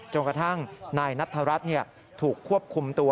กระทั่งนายนัทธรัฐถูกควบคุมตัว